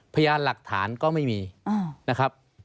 พยานหลักฐานก็ไม่มีนะครับ